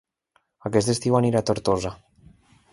Aquest estiu aniré a Tortosa